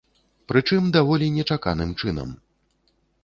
Прычым, даволі нечаканым чынам.